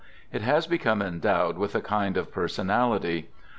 It has become endowed with a kind of personality.